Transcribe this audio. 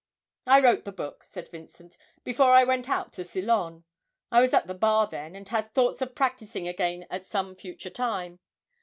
'I wrote the book,' said Vincent, 'before I went out to Ceylon. I was at the Bar then, and had thoughts of practising again at some future time.